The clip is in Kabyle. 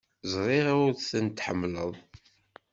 Ẓriɣ ur ten-tḥemmleḍ.